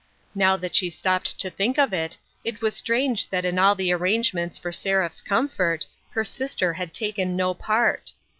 Now that she stopped to think of it, it was strange that in all the arrangements for Seraph's comfort, her sister had taken no part.